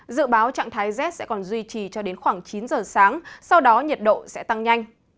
dự báo trạng thái rét sẽ còn duy trì cho đến khoảng chín giờ sáng sau đó nhiệt độ sẽ tăng nhanh